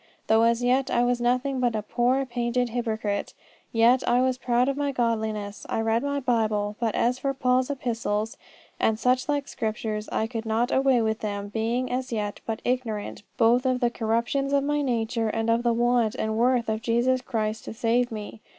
Though as yet I was nothing but a poor painted hypocrite, yet I was proud of my godliness. I read my Bible, but as for Paul's Epistles, and such like Scriptures, I could not away with them; being, as yet, but ignorant both of the corruptions of my nature and of the want and worth of Jesus Christ to save me.